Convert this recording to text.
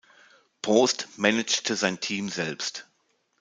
Prost managte sein Team selbst.